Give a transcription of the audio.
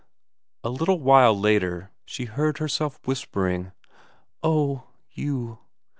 A little while after she heard herself whispering: "Oh, you